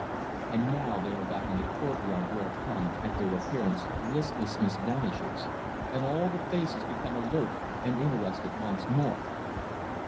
And now they are back in the courtyard wherefrom, at their appearance, listlessness vanishes, and all the faces become alert and interested once more.